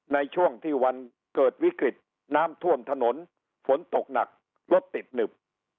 ในช่วงที่วันเกิดวิกฤตน้ำท่วมถนนฝนตกหนักรถติดหนึบ